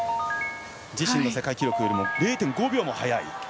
自身の世界記録よりも０．５秒も早い。